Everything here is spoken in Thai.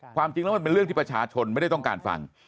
ความจริงแล้วมันเป็นเรื่องที่ประชาชนไม่ได้ต้องการฟัง